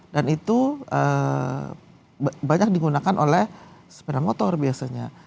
dan itu banyak digunakan oleh sepeda motor biasanya